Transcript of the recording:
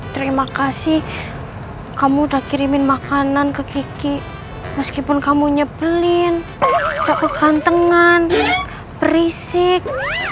terima kasih kamu udah kirimin makanan ke kiki meskipun kamu nyebelin suka gantengan berisik